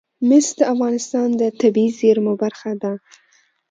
مس د افغانستان د طبیعي زیرمو برخه ده.